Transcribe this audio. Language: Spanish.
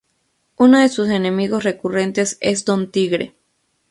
Uno de sus enemigos recurrentes es Don Tigre.